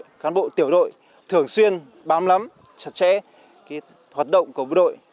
các cán bộ tiểu đội thường xuyên bám lắm chặt chẽ hoạt động của quân đội